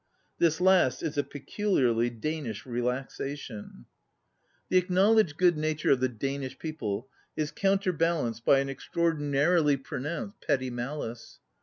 This last is a pecuKarly Danish relaxation. 19 ON READING The acknowledged good nature of the Danish people is counterbalanced by an extraordinarily pronounced petty malice.